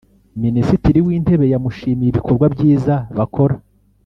Minisitiri w’Intebe yamushimiye ibikorwa byiza bakora